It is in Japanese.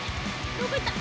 どこ行った？